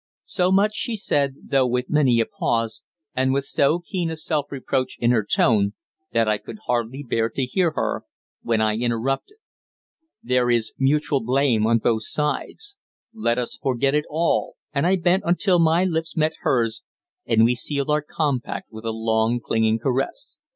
So much she said, though with many a pause, and with so keen a self reproach in her tone that I could hardly bear to hear her, when I interrupted "There is mutual blame on both sides. Let us forget it all," and I bent until my lips met hers and we sealed our compact with a long, clinging caress.